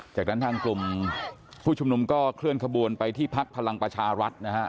จากนั้นทางกลุ่มผู้ชุมนุมก็เคลื่อนขบวนไปที่พักพลังประชารัฐนะฮะ